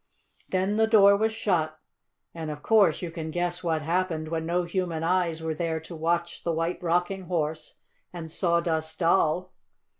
Then the door was shut and of course you can guess what happened when no human eyes were there to watch the White Rocking Horse and Sawdust Doll.